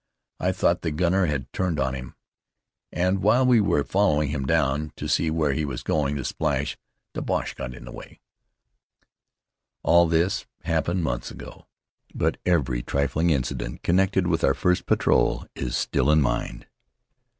I thought the gunner had turned on him. And while we were following him down to see where he was going to splash, the Boche got away." All this happened months ago, but every trifling incident connected with our first patrol is still fresh in mind.